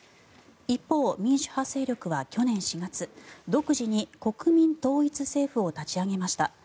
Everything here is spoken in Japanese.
一方、民主派勢力は去年４月独自に国民統一政府を立ち上げました。